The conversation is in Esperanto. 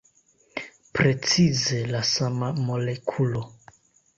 Precize la sama molekulo.